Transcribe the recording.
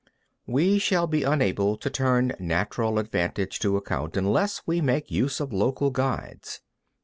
14. We shall be unable to turn natural advantages to account unless we make use of local guides.